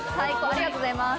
ありがとうございます。